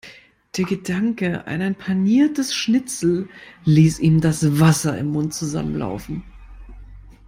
Der Gedanke an ein paniertes Schnitzel ließ ihm das Wasser im Mund zusammenlaufen.